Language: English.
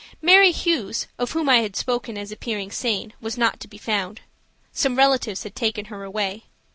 Mary Hughes, of whom I had spoken as appearing sane, was not to be found. Some relatives had taken her away.